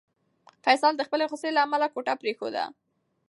فیصل د خپلې غوسې له امله کوټه پرېښوده.